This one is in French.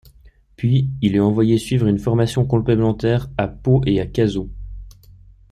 Puis, il est envoyé suivre une formation complémentaire à Pau et à Cazaux.